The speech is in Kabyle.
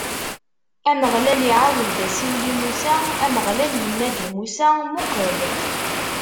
Ameɣlal iɛawed-d asiwel i Musa, Ameɣlal inna-d i Musa: Muqel!